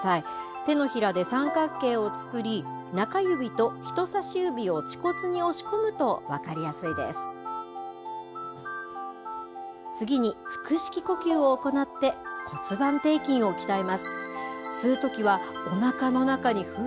手のひらで三角形を作り、中指と人さし指を恥骨に押し込むと分かりやすいです。